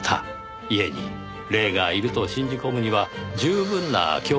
家に霊がいると信じ込むには十分な恐怖体験です。